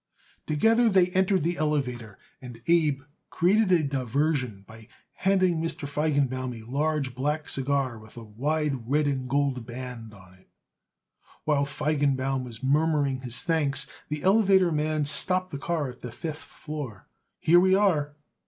Together they entered the elevator, and Abe created a diversion by handing Mr. Feigenbaum a large, black cigar with a wide red and gold band on it. While Feigenbaum was murmuring his thanks the elevator man stopped the car at the fifth floor. "Here we are!"